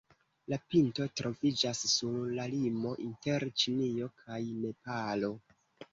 La pinto troviĝas sur la limo inter Ĉinio kaj Nepalo.